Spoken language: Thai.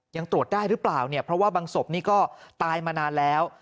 ยังตรวจได้หรือเปล่าเนี่ยเพราะว่าบางศพนี่ก็ตายมานานแล้ว